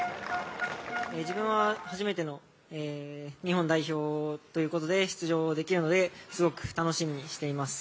自分は初めての日本代表ということで出場できるのですごく楽しみにしています。